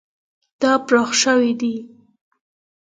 دا پراخ شوی دی.